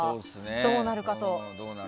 どうなるかと。